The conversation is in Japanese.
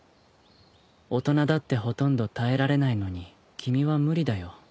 大人だってほとんど耐えられないのに君は無理だよ。